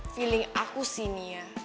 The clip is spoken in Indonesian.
feeling aku sih nih ya